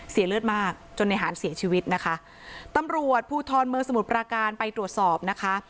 เสียเลือดมากจนในหารเสียชีวิตนะคะตำรวจภูทรเมืองสมุทรปราการไปตรวจสอบนะคะ